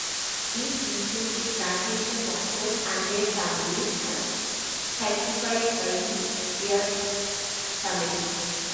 These include the plantation masters and their families, as typified by the Byrd family.